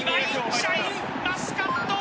シャインマスカット！